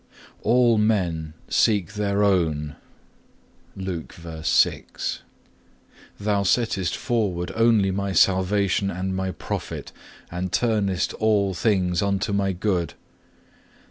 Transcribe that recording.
2. _All men seek their own;_(1) Thou settest forward only my salvation and my profit, and turnest all things unto my good.